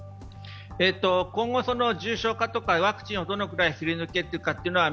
今後、重症化とかワクチンをどれくらいすり抜けるかは